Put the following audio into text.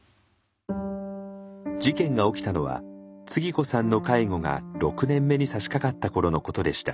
事件が起きたのはつぎ子さんの介護が６年目にさしかかった頃のことでした。